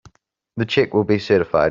The check will be certified.